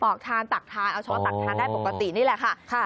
อกทานตักทานเอาเฉพาะตักทานได้ปกตินี่แหละค่ะ